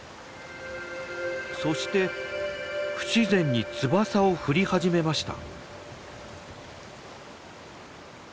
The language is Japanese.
そして不自然に翼を振り始めました。